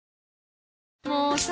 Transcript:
もうさ